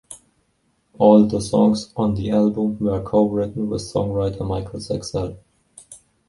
All the songs on the album were co-written with songwriter Michael Saxell.